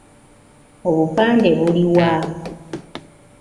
Obupande buli wa?